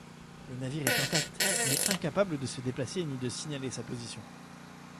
Le navire est intact, mais incapable de se déplacer ni de signaler sa position.